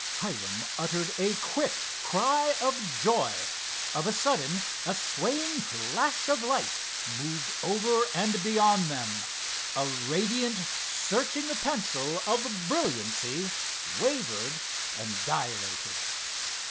Hiram uttered a quick cry of joy. Of a sudden a swaying flash of light moved over and beyond them. A radiant, searching pencil of brilliancy wavered and dilated.